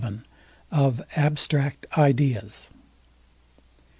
VII. OF ABSTRACT IDEAS.